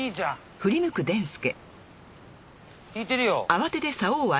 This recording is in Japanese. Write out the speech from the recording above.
引いてるよ。